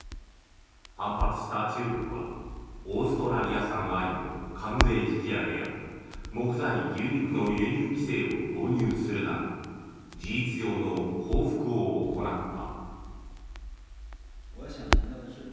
反発した中国はオーストラリア産ワインの関税引き上げや木材、牛肉の輸入規制を導入するなど事実上の報復を行った。